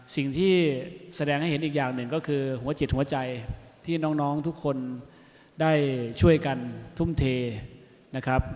สิ่งที่แสดงให้เห็นอีกอย่างหนึ่งก็คือหัวจิตหัวใจที่น้องทุกคนได้ช่วยกันทุ่มเทนะครับ